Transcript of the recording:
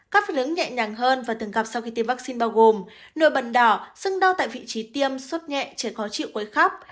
các phản ứng nhẹ nhàng hơn và từng gặp sau khi tiêm vaccine bao gồm nửa bần đỏ sưng đau tại vị trí tiêm sốt nhẹ trẻ khó chịu quấy khóc